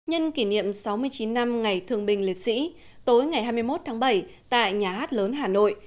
nhân kỷ niệm sáu mươi chín năm ngày thương bình liệt sĩ tối ngày hai mươi một tháng bảy tại nhà hát lớn hà nội